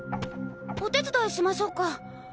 お手伝いしましょうか？